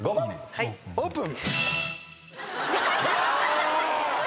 オープン。